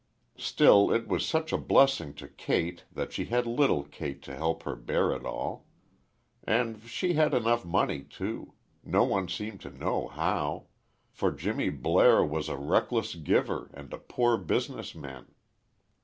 Still, it was such a blessing to Kate that she had little Kate to help her bear it all. And she had enough money, too; no one seemed to know how; for Jimmy Blair was a reckless giver and a poor business men.